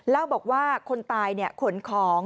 เล่าบอกว่าคนตายขนของ